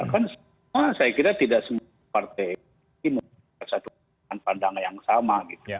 kan semua saya kira tidak semua partai memiliki satu pandangan yang sama gitu